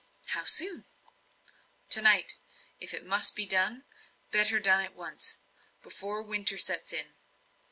"How soon?" "To night. If it must be done better done at once, before winter sets in.